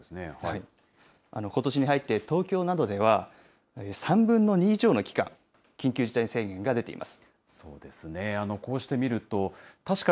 ことしに入って東京などでは、３分の２以上の期間、緊急事態宣言が出ています。